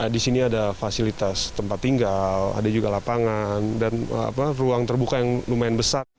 di sini ada fasilitas tempat tinggal ada juga lapangan dan ruang terbuka yang lumayan besar